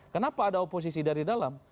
kenapa ada oposisi dari dalam